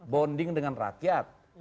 bonding dengan rakyat